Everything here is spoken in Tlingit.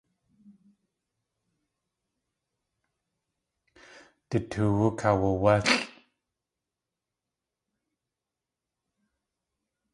Du toowú kaawawálʼ.